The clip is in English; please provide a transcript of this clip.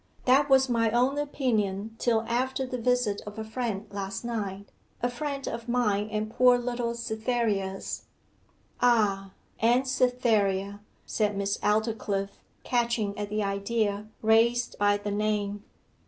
'That was my own opinion till after the visit of a friend last night a friend of mine and poor little Cytherea's.' 'Ah and Cytherea,' said Miss Aldclyffe, catching at the idea raised by the name.